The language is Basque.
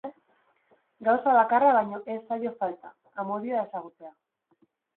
Gauza bakarra baino ez zaio falta: amodioa ezagutzea.